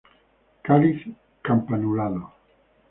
Cáliz campanulado.